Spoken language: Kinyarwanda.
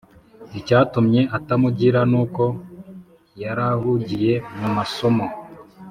icyatumye atamugira nuko yarahugiye mu masomo